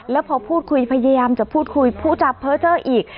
แล้วพอพูดคุยพยายามจะพูดคุยผู้จับเผาเจ้าอีก